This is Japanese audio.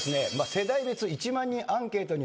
世代別１万人アンケートによります